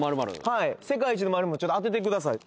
はい世界一の○○ちょっと当ててください